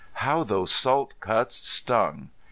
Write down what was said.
How those salt cuts stung!